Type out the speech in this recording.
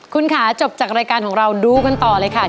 คุณค่ะจบจากรายการของเราดูกันต่อเลยค่ะ